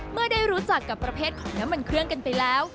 เมื่อได้รู้จักกับประเภทของน้ำมันเครื่องกันไปแล้ว